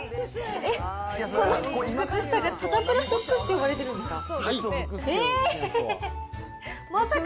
えっ、この靴下が、サタプラソックスと呼ばれてるんですか。